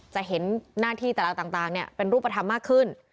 จะเห็นหน้าที่แต่ละต่างเป็นรูปธรรมมากขึ้น